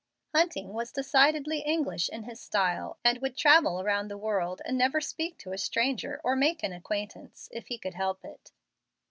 Hunting was decidedly English in his style, and would travel around the world and never speak to a stranger, or make an acquaintance, if he could help it.